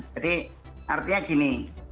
jadi artinya gini